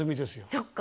そっか。